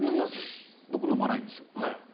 僕、飲まないんですよ。